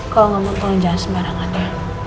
kalo gak mau tolong jangan sembarangan ya